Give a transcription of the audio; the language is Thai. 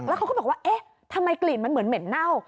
แล้วเขาก็บอกว่าเอ๊ะทำไมกลิ่นมันเหมือนเหม็นเน่า